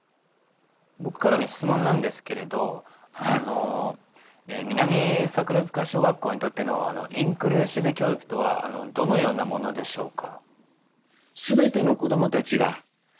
僕からの質問なんですけれど南桜塚小学校にとってのインクルーシブ教育とはどのようなものでしょうか。